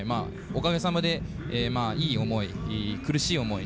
おかげさまでいい思い、苦しい思い